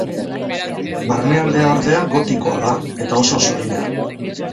Barnealdea ordea gotikoa da, eta oso soila.